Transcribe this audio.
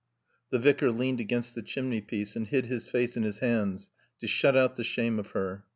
The Vicar leaned against the chimney piece and hid his face in his hands to shut out the shame of her.